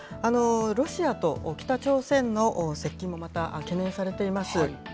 ロシアと北朝鮮の接近もまた懸念されています。